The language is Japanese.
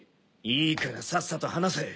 いいからさっさと話せ。